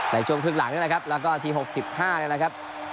ในช่วงครึ่งหลังนี่แหละครับแล้วก็ที๖๕นี่แหละครับ